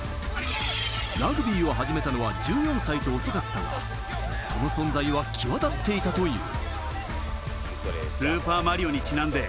ラグビーを始めたのは１４歳と遅かったが、その存在は際立っていたという。